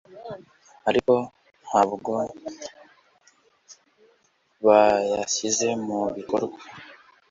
ariko ntabwo bayashyize mu bikorwa.